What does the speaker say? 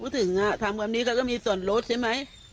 ทำความนี้ก็จะมีสอนรถใช่มั้ย